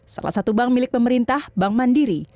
salah satu bank milik pemerintah bank mandiri